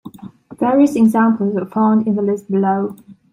Various examples are found in the list below.